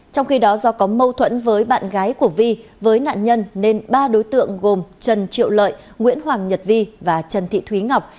trong khi đó do có mâu thuẫn với bạn gái của vi với nạn nhân nên ba đối tượng gồm trần triệu lợi nguyễn hoàng nhật vi và trần thị thúy ngọc